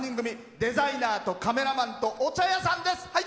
デザイナーとカメラマンとお茶屋さんです。